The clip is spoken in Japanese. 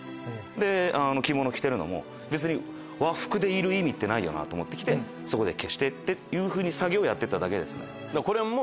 で着物着てるのも和服でいる意味ないと思ってそこで消してというふうに作業をやってただけですね。